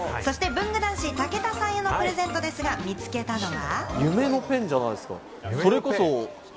そして、文具男子・武田さんへのプレゼント、見つけたのは？